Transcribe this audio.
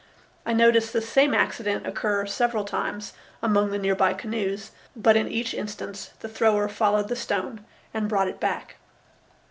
I noticed this same accident occur several times among the near by canoes, but in each instance the thrower followed the stone and brought it back.